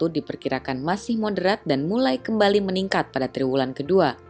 diperkirakan masih moderat dan mulai kembali meningkat pada triwulan kedua